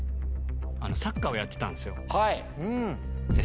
サッカーをやってたんですよ。